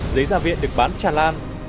giấy ra viện được bán tràn lan